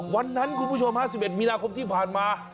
วันนั้นคุณผู้ชม๕๑มีนาคมที่ผ่านมา